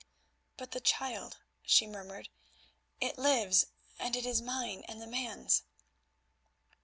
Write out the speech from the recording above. "But the child," she murmured, "it lives, and it is mine and the man's."